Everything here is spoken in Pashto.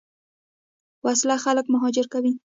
وسله خلک مهاجر کوي